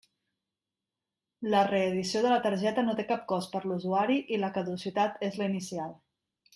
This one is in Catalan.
La reedició de la targeta no té cap cost per a l'usuari i la caducitat és la inicial.